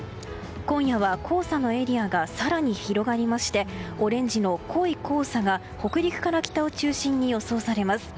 今夜は黄砂のエリアが更に広がりましてオレンジの濃い黄砂が北陸から北を中心に予想されます。